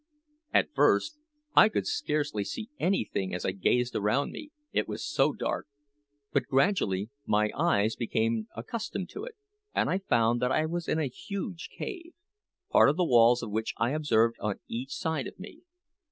"At first I could scarcely see anything as I gazed around me, it was so dark; but gradually my eyes became accustomed to it, and I found that I was in a huge cave, part of the walls of which I observed on each side of me.